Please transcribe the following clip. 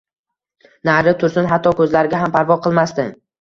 Nari tursin hatto o‘zlariga ham parvo qilmasdi.